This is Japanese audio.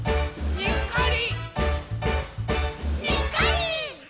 「にっこり！」